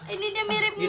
ini dia mirip mbe